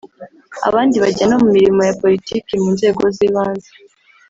abandi bajya no mu mirimo ya politiki mu nzego z’ibanze